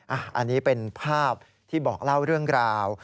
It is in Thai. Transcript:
อันนี้เป็นภาพที่บอกเล่าเรื่องราว